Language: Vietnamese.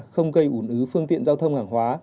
không gây ủn ứ phương tiện giao thông hàng hóa